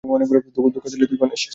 অনেক বড় ধোঁকা দিলে তুই, গ্যানেশ।